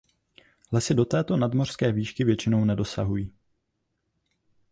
Lesy do této nadmořské výšky většinou nedosahují.